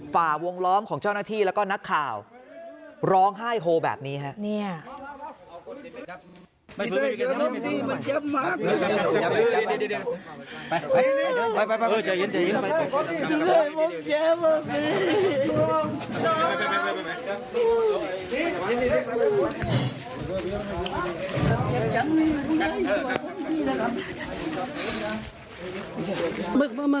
ฝ่าวงล้อมของเจ้าหน้าที่แล้วก็นักข่าวร้องไห้โฮแบบนี้ครับ